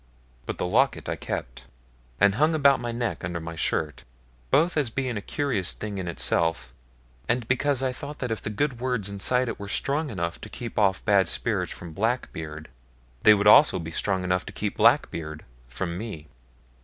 But the locket I kept, and hung about my neck under my shirt; both as being a curious thing in itself, and because I thought that if the good words inside it were strong enough to keep off bad spirits from Blackbeard, they would be also strong enough to keep Blackbeard from me.